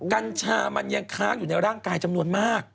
กัญชามันยังค้างอยู่ในร่างกายจำนวนมาก